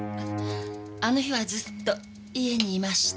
あの日はずっと家にいました。